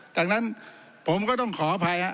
ดังนั้นผมก็ต้องขออภัยฮะ